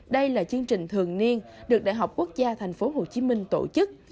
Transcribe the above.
đây là chương trình thường niên được đại học quốc gia tp hcm tổ chức